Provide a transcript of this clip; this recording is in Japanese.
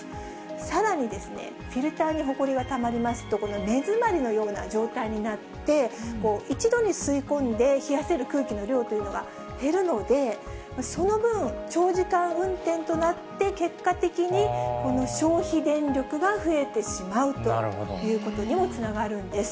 さらにですね、フィルターにほこりがたまりますと、目詰まりのような状態になって、一度に吸い込んで冷やせる空気の量というのが減るので、その分、長時間運転となって、結果的に消費電力が増えてしまうということにもつながるんです。